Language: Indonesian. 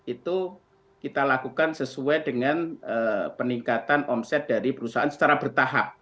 itu kita lakukan sesuai dengan peningkatan omset dari perusahaan secara bertahap